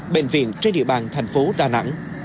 bệnh viện trên địa bàn thành phố đà nẵng